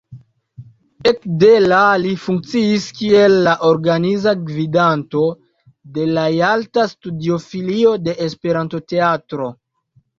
Ekde la li funkciis kiel organiza gvidanto de la jalta studio–filio de Esperanto-teatro.